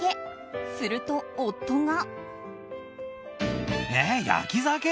すると、夫が。